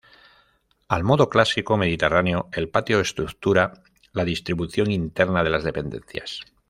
Al modo clásico mediterráneo, el patio estructura la distribución interna de las dependencias.